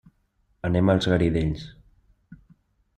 Anem als Garidells.